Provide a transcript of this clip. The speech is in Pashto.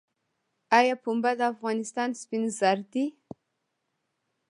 آیا پنبه د افغانستان سپین زر دي؟